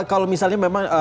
kalau misalnya memang